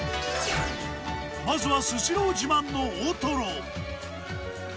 まずはスシロー自慢の大とろ。